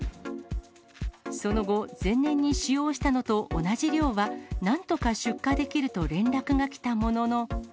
その後、前年に使用したのと同じ量はなんとか出荷できると連絡が来たものの。